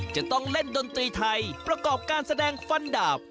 จะต้องเล่นดนตรีไทยประกอบการแสดงฟันดาบ